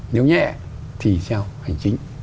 nếu nhẹ thì sao hành trình